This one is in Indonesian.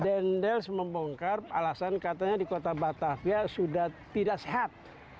dendels membongkar alasan katanya di kota batavia sudah tidak sehat